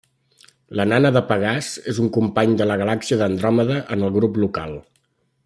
La Nana de Pegàs és un company de la Galàxia d'Andròmeda en el Grup Local.